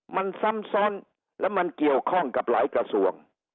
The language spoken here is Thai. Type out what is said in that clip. มันซ้ำซ้อนและมันเกี่ยวข้องกับหลายกระทรวง